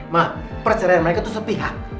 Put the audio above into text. ma perceraian mereka itu sepihak